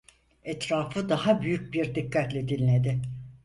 Etrafı daha büyük bir dikkatle dinledi.